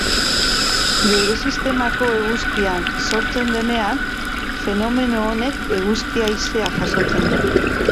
Geure sistemako eguzkian sortzen denean, fenomeno honek eguzki-haizea jasotzen du.